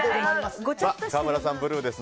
川村さん、ブルーです。